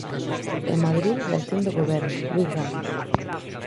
En Madrid reacción do Goberno, Luís Ramos...